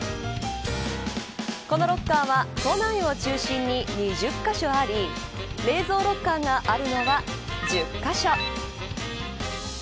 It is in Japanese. このロッカーは都内を中心に２０カ所あり冷蔵ロッカーがあるのは１０カ所。